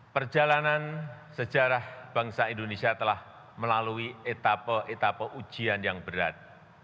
perjalanan sejarah bangsa indonesia telah melalui etapa etapa ujian yang berat